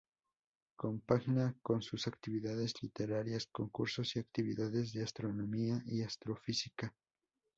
Compagina sus actividades literarias con cursos y actividades de Astronomía y Astrofísica.